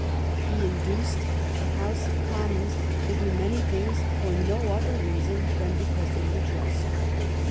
He induced the House of Commons to do many things for no other reason than because they were just.